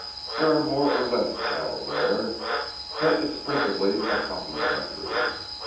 There are more or less cattle there, but it is principally a cotton country.